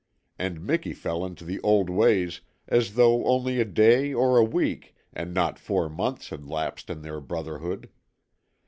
And Miki fell into the old ways as though only a day or a week and not four months had lapsed in their brotherhood.